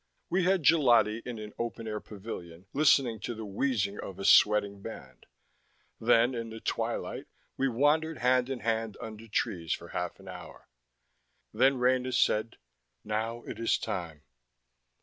We had gelati in an open air pavilion, listening to the wheezing of a sweating band; then, in the twilight, we wandered hand in hand under trees for half an hour. Then Rena said, "Now it is time."